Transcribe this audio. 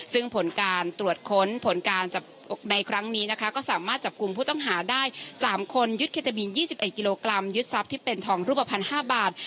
ซึ่งผลการตรวจค้นผลการจับในครั้งนี้นะคะก็สามารถจับกลุ่มผู้ต้องหาได้๓คนยึดเคตาบิน๒๑กิโลกรัมยึดทรัพย์ที่เป็นทองรูปภัณฑ์๕บาท